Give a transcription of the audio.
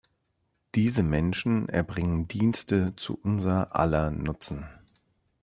Diese Menschen erbringen Dienste zu unser aller Nutzen.